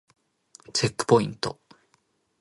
チェックポイント